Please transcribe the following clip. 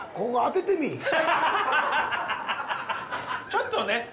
ちょっとね。